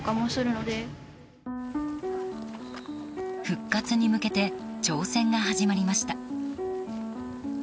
復活に向けて挑戦が始まりました。